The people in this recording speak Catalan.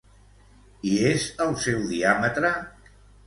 I és el seu diàmetre?